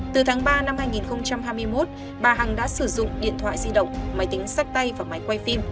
từ tháng ba năm hai nghìn hai mươi một bà hằng đã sử dụng điện thoại di động máy tính sách tay và máy quay phim